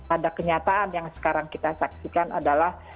ada kenyataan yang sekarang kita saksikan adalah